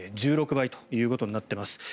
１６倍ということになっています。